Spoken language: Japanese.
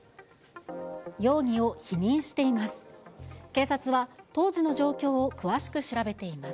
容疑を否認しています。